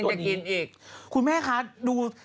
ดูสวยค่ะดูน้ำนิดหนึ่ง